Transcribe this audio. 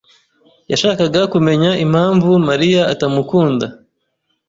yashakaga kumenya impamvu Mariya atamukunda.